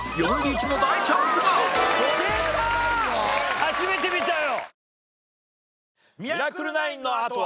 初めて見たよ。